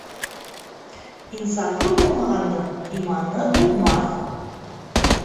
Инсафы булмағандың иманы булмаҫ.